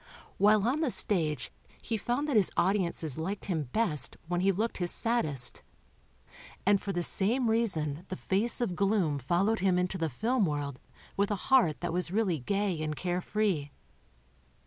While on the stage he found that his audiences liked him best when he looked his saddest. And for the same reason the face of gloom followed him into the film world with a heart that was really gay and carefree.